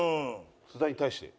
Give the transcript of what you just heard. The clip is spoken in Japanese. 津田に対して？